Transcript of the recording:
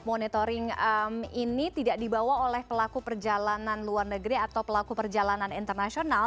monitoring ini tidak dibawa oleh pelaku perjalanan luar negeri atau pelaku perjalanan internasional